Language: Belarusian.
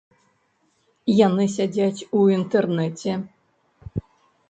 Яны сядзяць у інтэрнэце.